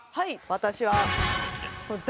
私は。